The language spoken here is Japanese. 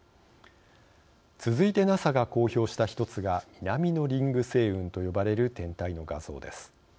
続いてＮＡＳＡが公表した一つが南のリング星雲と呼ばれる天体の画像です。